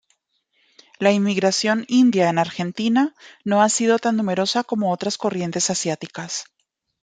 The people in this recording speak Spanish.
La inmigración india en Argentina no ha sido tan numerosa como otras corrientes asiáticas.